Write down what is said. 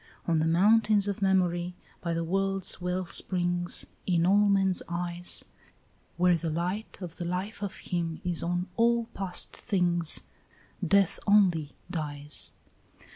"On the mountains of memory, by the world's wellsprings, In all men's eyes, Where the light of the life of him is on all past things, Death only dies.